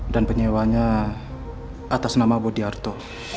dan penyewanya atas nama bodiarto